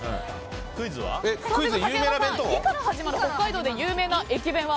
「い」から始まる北海道で有名な駅弁は？